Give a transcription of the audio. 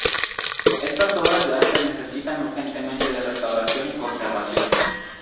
Estas obras de arte necesitan urgentemente de restauración y conservación.